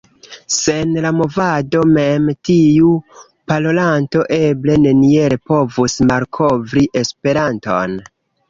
Sen la Movado mem tiu parolanto eble neniel povus malkovri Esperanton.